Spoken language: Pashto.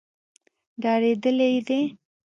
ډارېدلي دي.